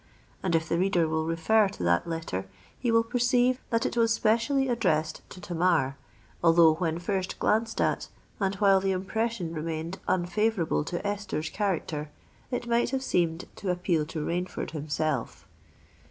And if the reader will refer to that letter, he will perceive that it was specially addressed to Tamar, although when first glanced at, and while the impression remained unfavourable to Esther's character, it might have seemed to appeal to Rainford himself.